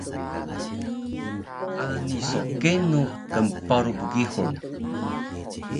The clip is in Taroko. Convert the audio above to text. Ani so kenu knparu bgihur